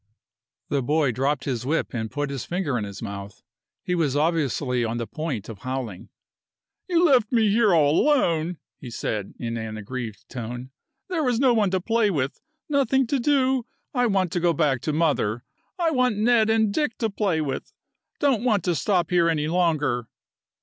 The boy dropped his whip and put his finger in his mouth. He was obviously on the point of howling. "You left me here all alone," he said, in an aggrieved tone. "There was no one to play with, nothing to do. I want to go back to mother; I want Ned and Dick to play with. Don't want to stop here any longer."